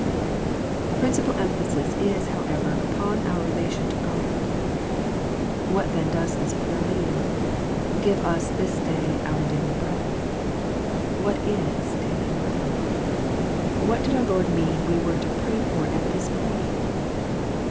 The principal em phasis is, however, upon our relation to God. What then does this prayer mean, " Give us this THE PLANE OF PEAYER 89 day our daily bread "? What is daily bread ? What did our Lord mean we were to pray for at this point